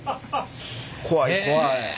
怖い怖い。